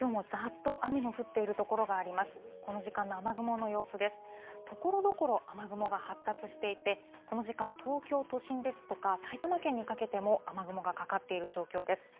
ところどころ、雨雲が発達していて、この時間、東京都心ですとか埼玉県にかけても、雨雲がかかっている状況です。